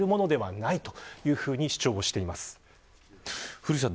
古市さん